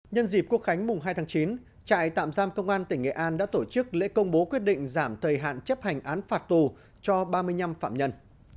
nhân dịp quốc khánh mùng hai tháng chín trại tạm giam công an tỉnh nghệ an đã tổ chức lễ công bố quyết định giảm thời hạn chấp hành án phạt tù cho ba mươi năm phạm nhân